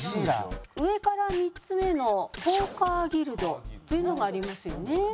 上から３つ目の「ポーカーギルド」というのがありますよね。